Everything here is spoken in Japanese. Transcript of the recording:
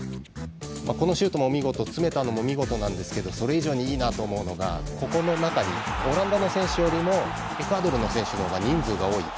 このシュートも見事詰めたのも見事なんですけどそれ以上に、いいなと思うのがこの中にオランダの選手よりもエクアドルの選手の方が人数が多い。